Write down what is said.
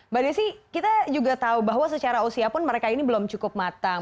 mbak desi kita juga tahu bahwa secara usia pun mereka ini belum cukup matang